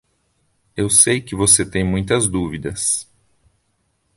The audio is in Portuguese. Eu sei que você tem muitas dúvidas.